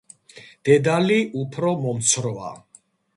დედალი უფრო მომცროა.